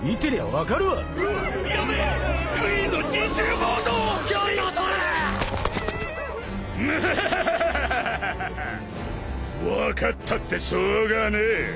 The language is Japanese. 分かったってしょうがねえ。